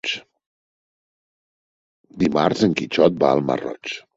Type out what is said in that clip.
Dimarts en Quixot va al Masroig.